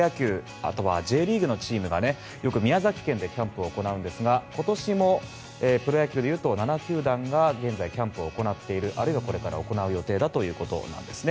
あとはＪリーグのチームがよく宮崎県でキャンプを行うんですが今年もプロ野球でいうと７球団が現在、キャンプを行っているあるいはこれから行う予定だということなんですね。